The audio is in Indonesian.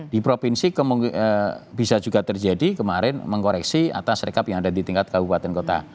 di provinsi bisa juga terjadi kemarin mengkoreksi atas rekap yang ada di tingkat kabupaten kota